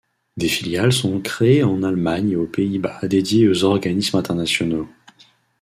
Des filiales sont créées en Allemagne et aux Pays-Bas dédiées aux organismes internationaux.